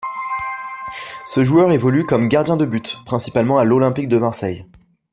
Ce joueur évolue comme gardien de but, principalement à l'Olympique de Marseille.